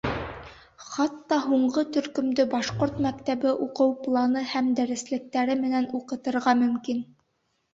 Хатта һуңғы төркөмдө башҡорт мәктәбе уҡыу планы һәм дәреслектәре менән уҡытырға мөмкин.